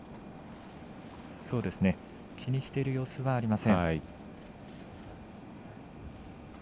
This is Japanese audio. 気にしている様子はありません。